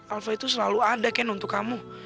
alva itu selalu ada ken untuk kamu